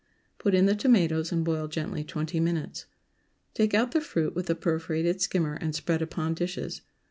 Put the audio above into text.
Put in the tomatoes and boil gently twenty minutes. Take out the fruit with a perforated skimmer, and spread upon dishes.